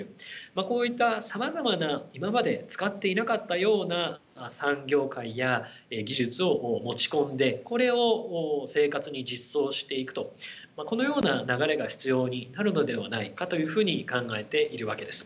こういったさまざまな今まで使っていなかったような産業界や技術を持ち込んでこれを生活に実装していくとこのような流れが必要になるのではないかというふうに考えているわけです。